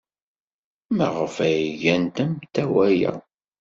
Maɣef ay gant amtawa-a?